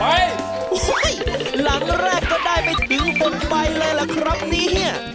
โอ้โหหลังแรกก็ได้ไปถึงบนใบเลยล่ะครับเนี่ย